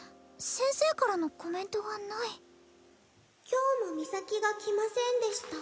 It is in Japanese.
先生からのコメントがない「今日もミサキが来ませんでした」